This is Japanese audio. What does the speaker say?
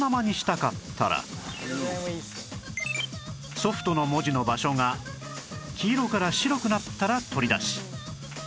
「Ｓｏｆｔ」の文字の場所が黄色から白くなったら取り出し